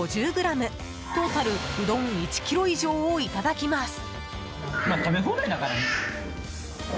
トータルうどん１ｋｇ以上をいただきます。